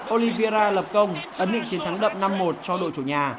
olivierra lập công ấn định chiến thắng đậm năm một cho đội chủ nhà